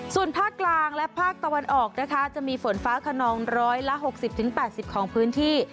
ส่วนภาคกลางและภาคตะวันออกนะคะจะมีฝนฟ้าขนอง๑๖๐๘๐ของพื้นที่